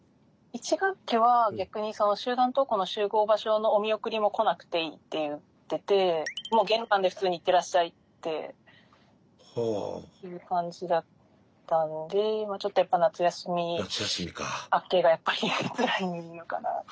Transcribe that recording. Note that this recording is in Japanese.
１学期は逆に集団登校の集合場所のお見送りも来なくていいって言っててもう玄関で普通にいってらっしゃいっていう感じだったのでちょっとやっぱ夏休み明けがやっぱりつらいのかな。